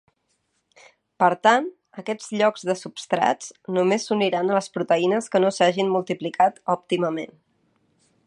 Per tant, aquests "llocs de substrats" només s'uniran a les proteïnes que no s'hagin multiplicat òptimament.